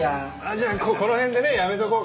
じゃあこの辺でねやめておこうか。